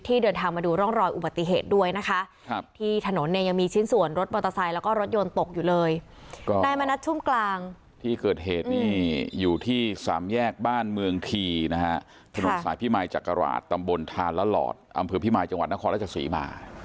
นี่อยู่ที่สามแยกบ้านเมืองทีภนต์สายพี่มายจักรวาสตำบลทานและหลอดอำเภอพี่มายจังหวัดนครและจักษริมหา